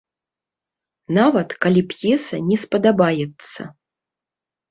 Нават калі п'еса не спадабаецца.